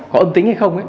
có âm tính hay không